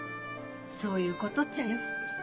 そういうことっちゃよ。